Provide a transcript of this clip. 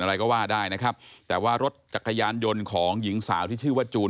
อะไรก็ว่าได้นะครับแต่ว่ารถจักรยานยนต์ของหญิงสาวที่ชื่อว่าจูน